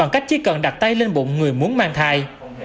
cũng người muốn mang thai